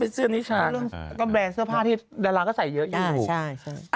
เรื่องนี้ช้าเรื่องการแบรนด์เสื้อผ้าที่ราลังก็ใส่เยอะอยู่